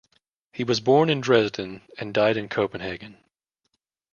He was born in Dresden and died in Copenhagen.